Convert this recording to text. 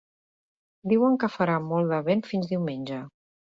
Diuen que farà molt de vent fins diumenge.